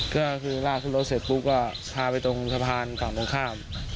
ก็คือลากขึ้นรถเสร็จปุ๊บก็พาไปตรงสะพานฝั่งตรงข้าม